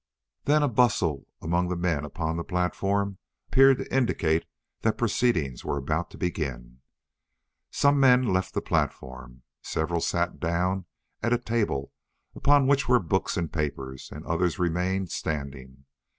Then a bustle among the men upon the platform appeared to indicate that proceedings were about to begin. Some men left the platform; several sat down at a table upon which were books and papers, and others remained standing.